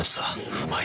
うまい。